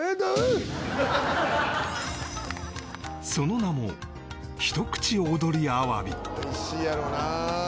その名も「美味しいやろな」